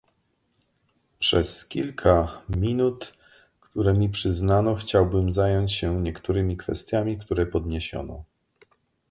Przez kilka minut, które mi przyznano, chciałbym zająć się niektórymi kwestiami, które podniesiono